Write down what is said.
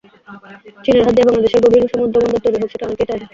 চীনের হাত দিয়ে বাংলাদেশের গভীর সমুদ্রবন্দর তৈরি হোক, সেটা অনেকেই চায় না।